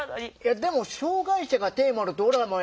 でも障害者がテーマのドラマやなんやからさ。